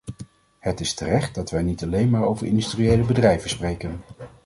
Het is terecht dat wij niet alleen maar over industriële bedrijven spreken.